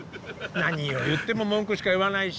何を言っても文句しか言わないし。